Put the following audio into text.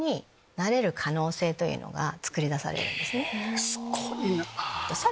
すごいなぁ。